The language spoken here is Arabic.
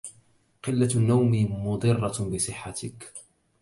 قلة النوم مضرة بصحتك.